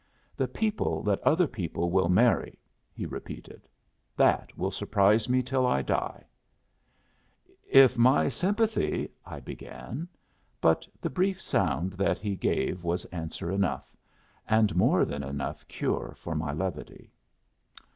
"The people that other people will marry," he repeated. "That will surprise me till I die." "If my sympathy " I began. But the brief sound that he gave was answer enough, and more than enough cure for my levity.